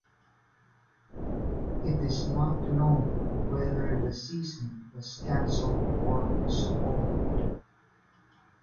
It is not known whether the season was cancelled or postponed.